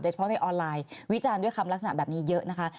เฉพาะในออนไลน์วิจารณ์ด้วยคำลักษณะแบบนี้เยอะนะคะ